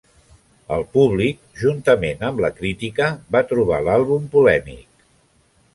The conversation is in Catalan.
El públic, juntament amb la crítica, va trobar l'àlbum polèmic.